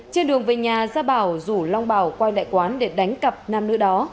trên đường về nhà gia bảo rủ long bảo quay lại quán để đánh cặp nam nữ đó